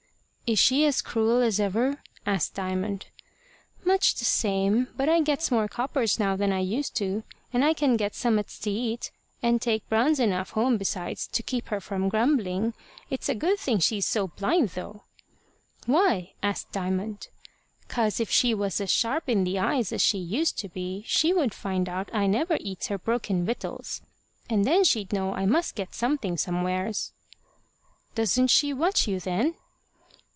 "Is she as cruel as ever?" asked Diamond. "Much the same. But I gets more coppers now than I used to, and I can get summats to eat, and take browns enough home besides to keep her from grumbling. It's a good thing she's so blind, though." "Why?" asked Diamond. "'Cause if she was as sharp in the eyes as she used to be, she would find out I never eats her broken wittles, and then she'd know as I must get something somewheres." "Doesn't she watch you, then?"